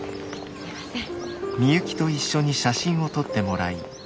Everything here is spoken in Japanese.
すいません。